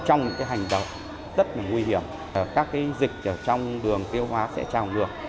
trong những hành động rất nguy hiểm các dịch trong đường tiêu hóa sẽ trào ngược